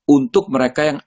untuk mereka yang